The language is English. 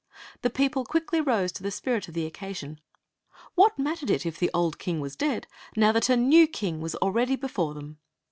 The people quickly rose to the spirit of the occa sion. What mattered it if the old king was dead, now that a new king was already before them